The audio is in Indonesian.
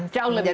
jauh lebih rumit